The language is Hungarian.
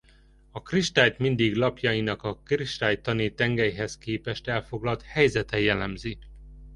A kristályt mindig lapjainak a kristálytani tengelyhez képest elfoglalt helyzete jellemzi.